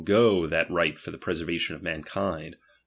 207 that right for the preservation of mankind ; be chap, xv.'